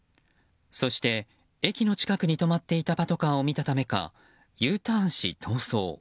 そして、駅の近くに止まっていたパトカーを見たためかＵターンし、逃走。